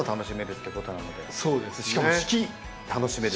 しかも四季楽しめる。